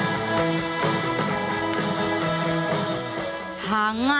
jadi kita juga bisa mencoba